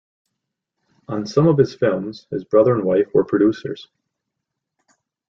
On some of his films, his brother and wife were producers.